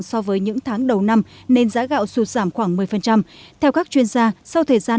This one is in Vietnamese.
so với những tháng đầu năm nên giá gạo sụt giảm khoảng một mươi theo các chuyên gia sau thời gian